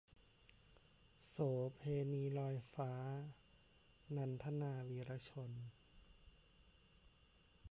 โสเภณีลอยฟ้า - นันทนา วีระชน